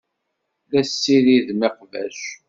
La tessiridem iqbac.